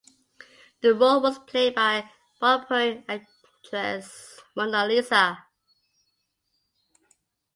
The role was played by Bhojpuri actress Monalisa.